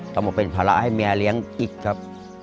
เขาเป็นภาระให้แม่เลี้ยงอีกครับ